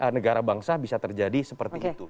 negara bangsa bisa terjadi seperti itu